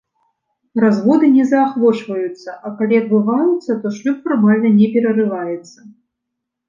Разводы не заахвочваюцца, а, калі адбываюцца, то шлюб фармальна не перарываецца.